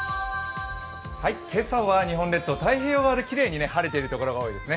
今朝は日本列島、太平洋側できれいに晴れている所が多いですね。